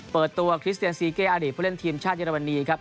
เปิดตัวคริสเตียนซีเก้อดีตผู้เล่นทีมชาติเยอรมนีครับ